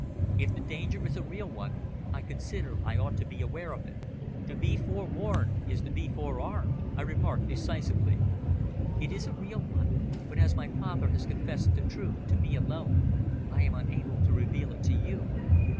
"If the danger is a real one, I consider I ought to be aware of it. To be forewarned is to be forearmed!" I remarked decisively. "It is a real one, but as my father has confessed the truth to me alone, I am unable to reveal it to you.